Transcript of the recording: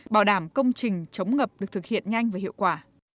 bảo đảm công trình chống ngập được thực hiện nhanh và hiệu quả